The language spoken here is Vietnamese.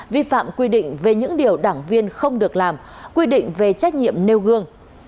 vi phạm quy định về những điều đảng viên không được làm quy định về trách nhiệm nêu gương